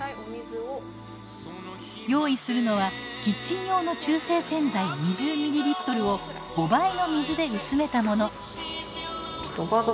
用意するのはキッチン用の中性洗剤２０ｍｌを５倍の水で薄めたもの。